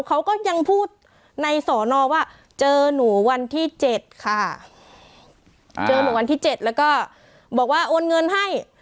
เขาก็ยังพูดในสอนอว่าเจอหนูวันที่เจ็ดค่ะเจอหนูวันที่เจ็ดแล้วก็บอกว่าโอนเงินให้